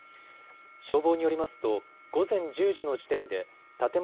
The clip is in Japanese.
消防によりますと午前１０時の時点で建物